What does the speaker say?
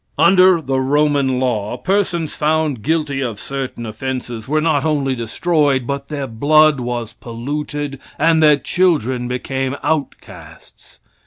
Under the Roman law persons found guilty, of certain offenses were not only destroyed, but their blood was polluted, and their children became outcasts.